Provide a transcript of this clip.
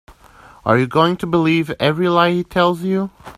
Are you going to believe every lie he tells you?